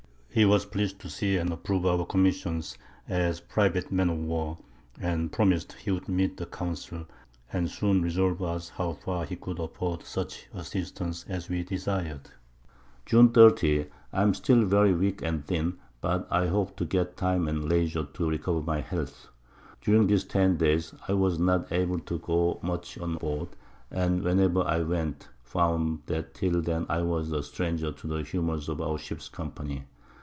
He was pleased to see and approve of our Commissions, as Private Men of War, and promis'd he would meet the Council, and soon resolve us how far he could afford such Assistance as we desired. June 30. I am still very weak and thin, but I hope to get Time and Leisure to recover my Health. During these 10 Days, I was not able to go much on board, and whenever I went, found, that till then I was a Stranger to the Humours of our Ship's Company.